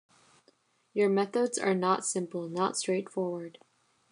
Your methods are not simple, not straightforward.